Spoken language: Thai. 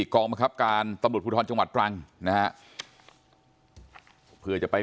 กล้องปเกรัพกานต้อหลวดพุทธฮอลจังหวัดตรังนะเพื่อจะไป